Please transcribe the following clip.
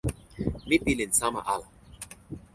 mi pilin sama ala.